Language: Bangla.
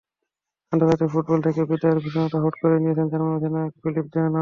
আন্তর্জাতিক ফুটবল থেকে বিদায়ের ঘোষণাটা হুট করেই দিয়েছেন জার্মানির অধিনায়ক ফিলিপ লাম।